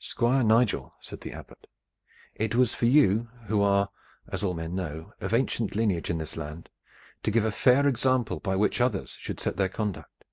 "Squire Nigel," said the Abbot, "it was for you, who are, as all men know, of ancient lineage in this land, to give a fair example by which others should set their conduct.